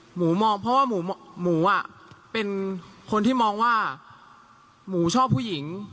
หมูมองเพราะว่าหมูเป็นคนที่มองว่าหมูชอบผู้หญิง